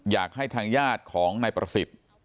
อยากให้ทางญาติของนายประสิทธิ์